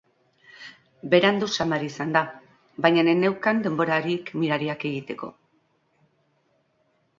Berandu samar izan da, baina ez neukan denborarik mirariak egiteko.